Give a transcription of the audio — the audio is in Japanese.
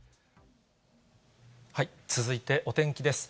続いてお天気です。